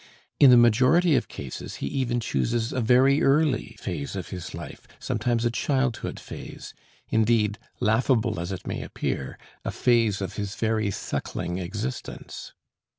In the majority of cases he even chooses a very early phase of his life, sometime a childhood phase, indeed, laughable as it may appear, a phase of his very suckling existence.